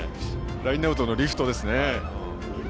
ラインアウトのリフトですね。